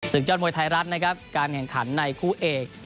ยอดมวยไทยรัฐนะครับการแข่งขันในคู่เอก